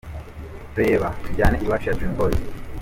Reba ’Tujyane iwacu’ ya Dream Boyz.